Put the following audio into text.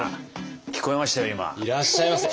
聞こえましたよ